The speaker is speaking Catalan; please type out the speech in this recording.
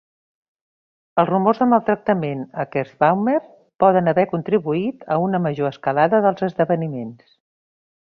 Els rumors de maltractament a Kerschbaumer poden haver contribuït a una major escalada dels esdeveniments.